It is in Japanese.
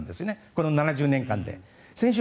この７０年間で。